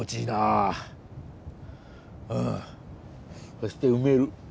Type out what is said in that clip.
そして埋める。